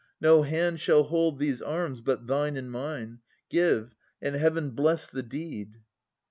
No hand shall hold these aiins But thine and mine. Give, and Heaven bless the deed